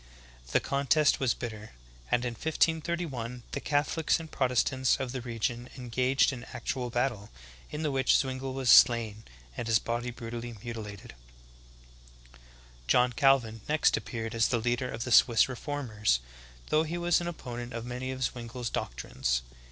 The 154 THE GREAT APOSTASY. contest was bitter, and in 1531 the Catholics and Protestants of the region engaged in actual battle, in the which Zwingle was slain, and his body brutally mutilated. 10. John Calvin next appeared as the leader of the Swiss reformers, though he was an opponent of many of Zwingle's doctrines.